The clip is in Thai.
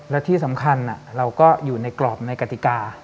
และที่สำคัญเราก็อยู่ในกรอบในกติกา